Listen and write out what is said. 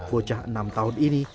gocah enam tahun ini